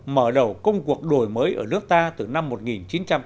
mở đầu công cuộc đổi mới kinh tế